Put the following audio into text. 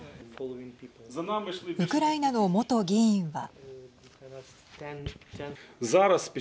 ウクライナの元議員は。